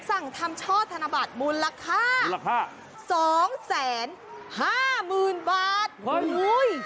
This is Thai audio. สั่งทำช่อธนบัตรมูลค่ามูลค่าสองแสนห้าหมื่นบาทเฮ้ย